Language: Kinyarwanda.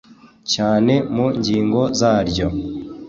Cyane mu ngingo zaryo